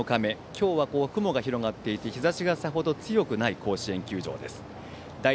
今日は雲が広がっていて日ざしがさほど強くない甲子園球場です。